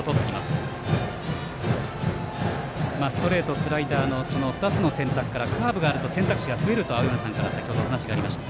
ストレート、スライダーの２つの選択からカーブがあると選択肢が増えると青山さんから先ほどお話がありました。